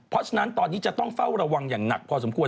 เพราะฉะนั้นตอนนี้จะต้องเฝ้าระวังอย่างหนักพอสมควร